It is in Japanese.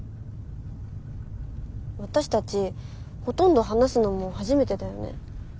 私たちほとんど話すのも初めてだよね？